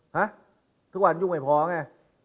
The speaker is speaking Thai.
ฮะทุกวันยุ่งไม่พอไง